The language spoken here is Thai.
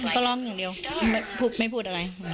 ก็ร้องอย่างเดียวไม่พูดอะไร